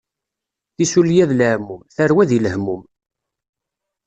Tissulya d leɛmum, tarwa di lehmum.